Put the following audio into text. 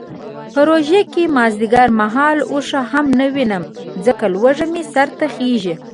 په روژه کې مازدیګر مهال اوښ هم نه وینم ځکه لوږه مې سرته خیژي.